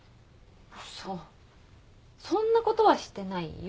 そっそんなことはしてないよ。